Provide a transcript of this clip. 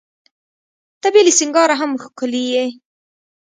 ته بې له سینګاره هم ښکلي یې.